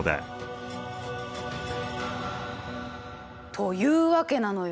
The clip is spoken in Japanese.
というわけなのよ。